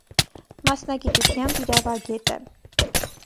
Մասնագիտությամբ իրավագետ է։